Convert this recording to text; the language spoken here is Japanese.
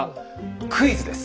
クイズです。